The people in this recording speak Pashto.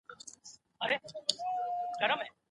هغه د بېځايه سزا مخالف و.